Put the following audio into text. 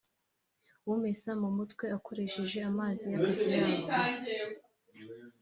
umesa mutwe ukoresheje amazi y’akazuyazi